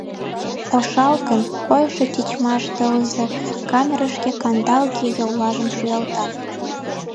Ошалгын, койшо тичмаш тылзе камерышке кандалге йоллажым шуялта.